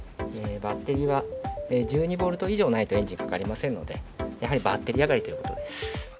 バッテリーは１２ボルト以上ないと、エンジンかかりませんので、やはりバッテリー上がりということです。